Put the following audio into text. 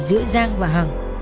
giữa giang và hằng